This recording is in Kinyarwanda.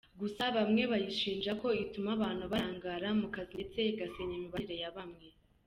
Gusa bamwe bayishinja ko ituma abantu barangara mu kazi ndetse igasenya imibanire ya bamwe.